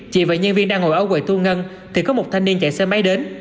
chị và nhân viên đang ngồi ở quầy thu ngân thì có một thanh niên chạy xe máy đến